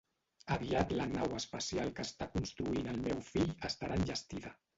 Aviat la nau espacial que està construint el meu fill estarà enllestida.